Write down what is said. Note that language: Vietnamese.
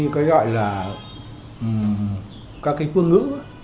cái gọi là các cái phương ngữ